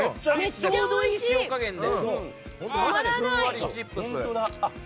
ちょうどいい塩加減で。